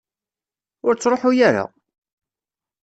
Ur ttṛuḥu ara!